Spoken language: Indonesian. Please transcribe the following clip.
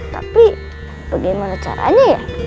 tapi bagaimana caranya ya